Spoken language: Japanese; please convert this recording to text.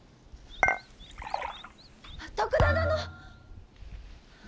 徳田殿！